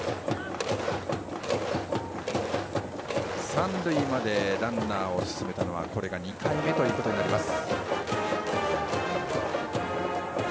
三塁までランナーを進めたのはこれが２回目となります。